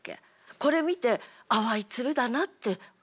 これ見て「淡いつるだな」って思う？